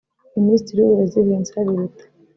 Minisitiri w’uburezi Vincent Biruta